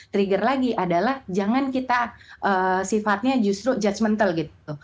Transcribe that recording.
trigger lagi adalah jangan kita sifatnya justru judgemental gitu